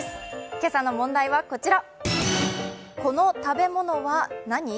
今朝の問題はこちら。